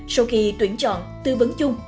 sau khi tuyển chọn tư vấn chung